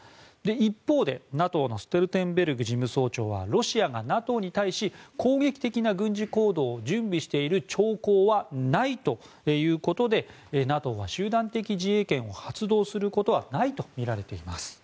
一方で、ＮＡＴＯのストルテンベルグ事務総長はロシアがＮＡＴＯに対し攻撃的な軍事行動を準備している兆候はないということでＮＡＴＯは集団的自衛権を発動することはないとみられています。